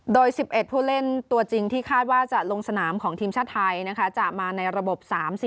โดย๑๑ผู้เล่นตัวจริงที่คาดว่าจะลงสนามของทีมชาติไทยจะมาในระบบ๓๔